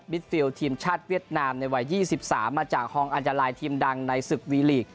ฟิลทีมชาติเวียดนามในวัย๒๓มาจากฮองอันดาลายทีมดังในศึกวีลีก